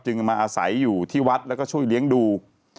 มาอาศัยอยู่ที่วัดแล้วก็ช่วยเลี้ยงดู